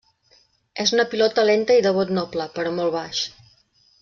És una pilota lenta i de bot noble però molt baix.